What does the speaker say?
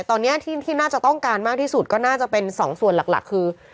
ตอนนี้ที่น่าจะต้องการมากที่สุดก็น่าจะเป็นสองส่วนหลักคือ